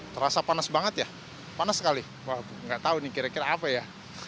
terasa panas banget ya panas sekali nggak tahu nih kira kira apa ya